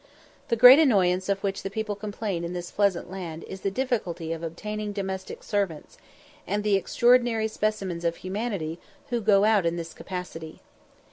The great annoyance of which people complain in this pleasant land is the difficulty of obtaining domestic servants, and the extraordinary specimens of humanity who go out in this capacity.